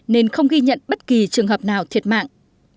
nên không ghi nhận bất kỳ trường hợp nào thiệt mạng